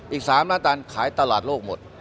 อีก๓ล้านตันขายตลาดโลกหมด